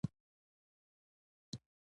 د وطن ګوند غړي، په وطن مین اشخاص وو.